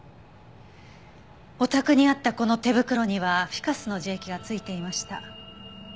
お宅にあったこの手袋にはフィカスの樹液が付いていました。